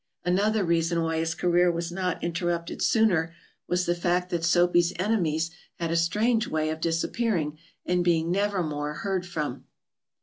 Another reason why his career was not interrupted sooner was the fact that Soapy's enemies had a strange way of disappearing and being nevermore heard from."